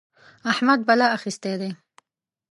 احمد بلا اخيستی دی.